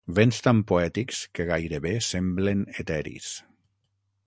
Vents tan poètics que gairebé semblen eteris.